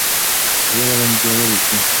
ژبه به پیاوړې شي.